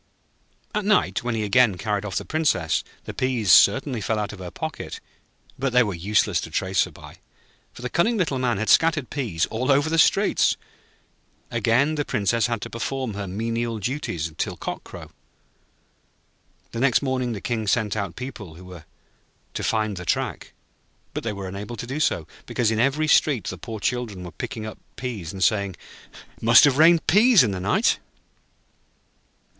At night, when he again carried off the Princess, the peas certainly fell out of her pocket, but they were useless to trace her by, for the cunning Little Man had scattered peas all over the streets. Again the Princess had to perform her menial duties till cock crow. The next morning the King sent out people who were to find the track; but they were unable to do so, because in every street the poor children were picking up peas, and saying: 'It must have rained peas in the night.'